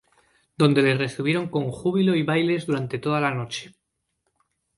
Donde les recibieron con júbilo y bailes durante toda la noche.